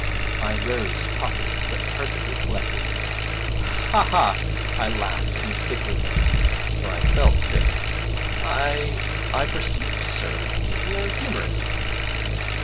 I rose, puffing, but perfectly collected. 'Ha ha,' I laughed in a sickly manner (for I felt sick), 'I I perceive, sir, that you are a humorist.'